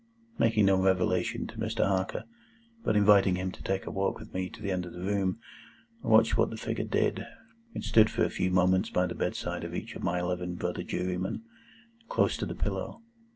Making no revelation to Mr. Harker, but inviting him to take a walk with me to the end of the room, I watched what the figure did. It stood for a few moments by the bedside of each of my eleven brother jurymen, close to the pillow.